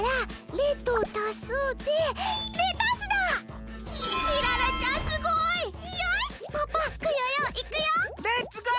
レッツゴー！